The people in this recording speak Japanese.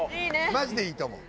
マジでいいと思う。